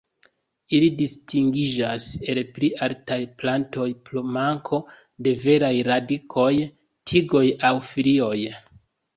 Ili distingiĝas el pli altaj plantoj pro manko de veraj radikoj, tigoj aŭ folioj.